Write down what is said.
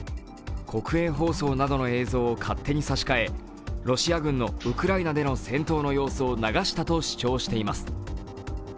国営放送などの映像を勝手に差し替えロシア軍のウクライナでの戦闘の様子を流したと主張しています。